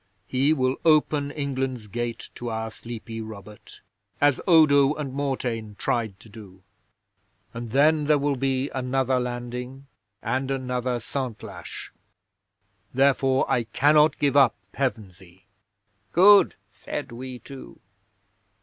He will open England's gate to our sleepy Robert, as Odo and Mortain tried to do, and then there will be another landing and another Santlache. Therefore I cannot give up Pevensey." '"Good," said we two.